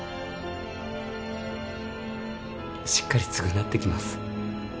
しっかり償ってきます